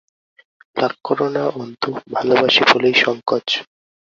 রাগ করো না অন্তু, ভালোবাসি বলেই সংকোচ।